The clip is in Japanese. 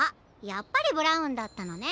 やっぱりブラウンだったのね。